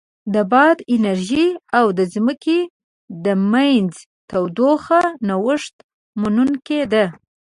د باد انرژي او د ځمکې د منځ تودوخه نوښت منونکې ده.